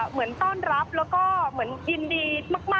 เหมือนต้อนรับแล้วก็เหมือนยินดีมาก